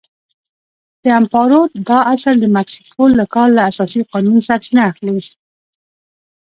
د امپارو دا اصل د مکسیکو له کال له اساسي قانون سرچینه اخلي.